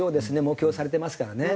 目標とされてますからね。